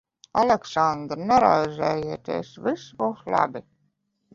Aleksandr, neraizējieties. Viss būs labi.